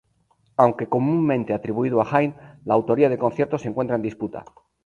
Aunque comúnmente atribuido a Haydn, la autoría del concierto se encuentra en disputa.